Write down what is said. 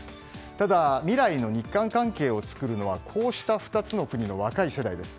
ただ、未来の日韓関係を作るのはこうした２つの国の若い世代です。